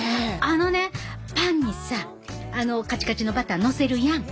あのねパンにさかちかちのバターのせるやん。